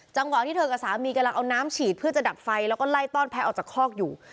จังหวะที่เธอกับสามีกำลังเอาน้ำฉีดเพื่อจะดับไฟแล้วก็ไล่ต้อนแพ้ออกจากคอกอยู่